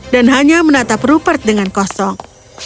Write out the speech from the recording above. dan hanya menatap rupert dengan kosong